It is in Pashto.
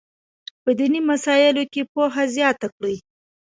په دیني مسایلو کې پوهه زیاته کړي.